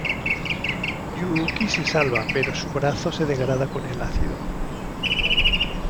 Yuuki se salva, pero su brazo se degrada con el ácido.